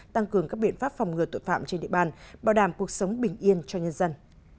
tăng cường các biện pháp phòng ngừa tội phạm trên địa bàn bảo đảm cuộc sống bình yên cho nhân dân